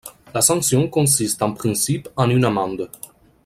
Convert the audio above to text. La sanction consiste en principe en une amende.